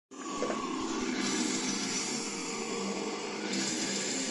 Немного не хватает.